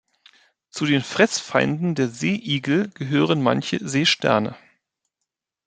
Zu den Fressfeinden der Seeigel gehören manche Seesterne.